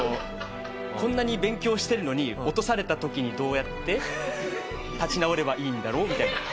こんなに勉強してるのに落とされた時にどうやって立ち直ればいいんだろう？みたいな。